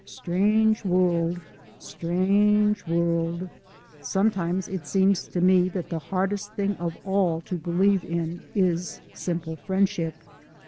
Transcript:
Strange world, strange world! Sometimes it seems to me that the hardest thing of all to believe in is simple friendship.